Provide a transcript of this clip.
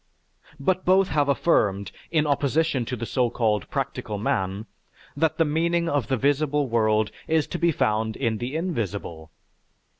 But both have affirmed, in opposition to the so called practical man, that the meaning of the visible world is to be found in the invisible.